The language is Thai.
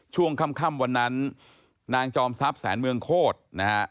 ช่วงค่ำวันนั้นนางจอมทรัพย์แสนเมืองโคตรนะฮะ